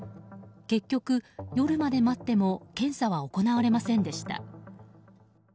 結局、夜まで待っても検査は行われませんでした。